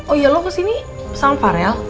oh iya lo kesini sama farel